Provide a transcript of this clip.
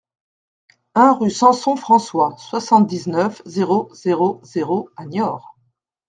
un rue Samson François, soixante-dix-neuf, zéro zéro zéro à Niort